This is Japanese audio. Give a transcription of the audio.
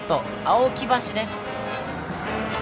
青木橋です。